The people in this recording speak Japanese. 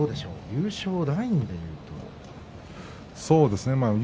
優勝ラインでいうとどうでしょう？